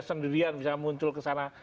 sendirian misalnya muncul ke sana